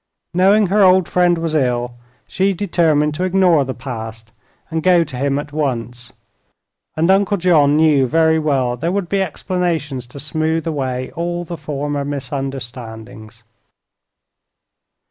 Knowing her old friend was ill, she determined to ignore the past and go to him at once, and Uncle John knew very well there would be explanations to smooth away all the former misunderstandings.